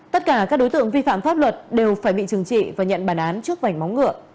tất cả các đối tượng vi phạm pháp luật đều phải bị trừng trị và nhận bản án trước vảnh móng ngựa